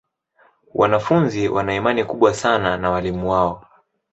Wanafunzi wana imani kubwa sana na walimu wao.